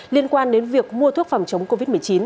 liên quan đến việc mua thuốc phòng chống covid một mươi chín